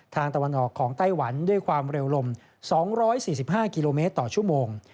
ตะวันออกของไต้หวันด้วยความเร็วลม๒๔๕กิโลเมตรต่อชั่วโมง